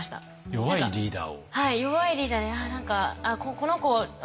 弱いリーダー。